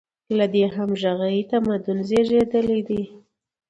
له دې همغږۍ تمدن زېږېدلی دی.